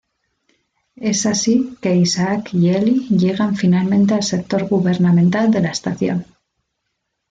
Es así que Isaac y Ellie llegan finalmente al sector gubernamental de la estación.